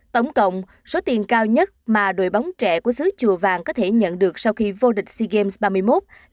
tổng cộng số tiền cao nhất mà đội bóng trẻ của xứ chùa vàng có thể nhận được sau khi vô địch sea games ba mươi một là một mươi hai triệu baht hơn tám tỷ đồng